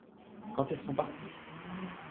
Quand ils sont partis.